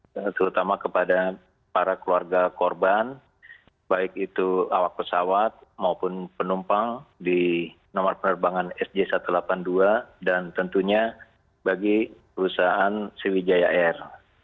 jadi terutama kepada para keluarga korban baik itu awak pesawat maupun penumpang di nomor penerbangan sj satu ratus delapan puluh dua dan tentunya bagi perusahaan sriwijaya air